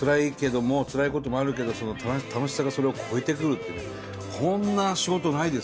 ツラいこともあるけど楽しさがそれを超えてくるってねこんな仕事ないですよ。